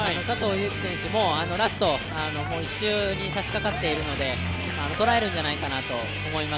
悠基選手もラスト１周にさしかかっているので捉えるんじゃないかなと思います。